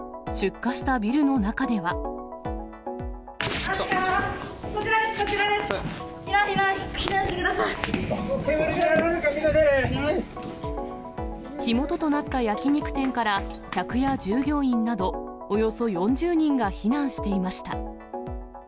煙でやられるから、火元となった焼き肉店から、客や従業員など、およそ４０人が避難していました。